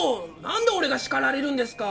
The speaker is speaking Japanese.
何で俺が叱られるんですか。